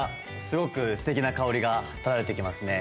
すごくすてきな香りが漂って来ますね。